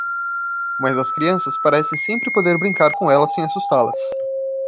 Mas as crianças parecem sempre poder brincar com elas sem assustá-las.